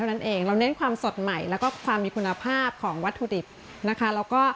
นั่นเองเราเน้นความสดใหม่แล้วก็ความมีคุณภาพของวัตถุดิบนะคะแล้วก็